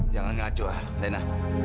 jangan ngacau lena